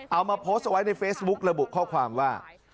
เอามาโพสต์เอาไว้ในเฟซบุ๊กระบุข้อความว่า